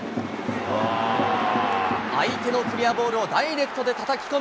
相手のクリアボールをダイレクトでたたき込む